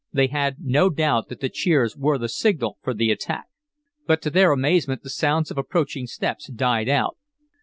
They had no doubt that the cheers were the signal for the attack. But to their amazement the sounds of approaching steps died out.